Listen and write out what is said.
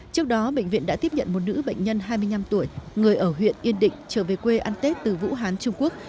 trước đó bệnh viện đã tiếp nhận một nữ bệnh nhân hai mươi năm tuổi người ở huyện yên định trở về quê ăn tết từ vũ hán trung quốc